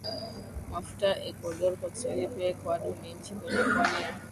mafuta Ekuador kwa Kiswahili pia Ekwado ni nchi kwenye pwani ya